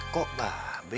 kok mbak be